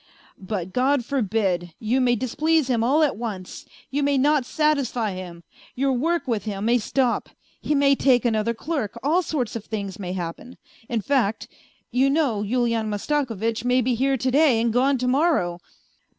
" But, God forbid ! you may displease him all at once, you may not satisfy him, your work with him may stop, he may take another clerk all sorts of things may happen, in fact ! You know, Yulian Mastakovitch may be here to day and gone to morrow